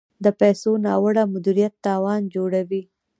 د پیسو ناوړه مدیریت تاوان جوړوي.